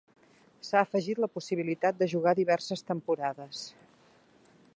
S'ha afegit la possibilitat de jugar diverses temporades.